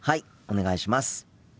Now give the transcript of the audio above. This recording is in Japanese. お願いします。